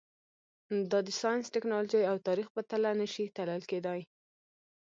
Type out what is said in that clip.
دا د ساینس، ټکنالوژۍ او تاریخ په تله نه شي تلل کېدای.